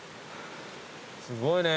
すごいね。